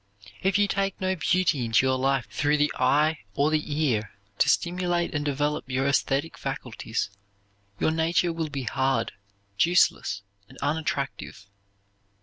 If you take no beauty into your life through the eye or the ear to stimulate and develop your esthetic faculties, your nature will be hard, juiceless, and unattractive.